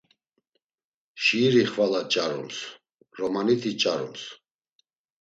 Şiiri xvala ç̌arums, romaniti ç̌arums.